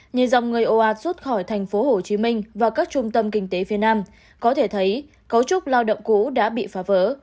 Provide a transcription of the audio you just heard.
nhìn dòng người ồ ạt xuất khỏi thành phố hồ chí minh và các trung tâm kinh tế phía nam có thể thấy cấu trúc lao động cũ đã bị phá vỡ